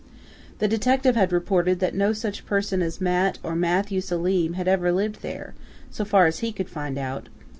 The detective had reported that no such person as Mat or Matthew Selim had ever lived there, so far as he could find out.